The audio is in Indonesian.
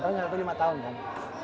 yang satu lima tahun kan